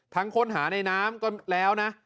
ค้นหาในน้ำก็แล้วนะ